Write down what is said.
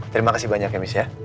terima kasih banyak ya miss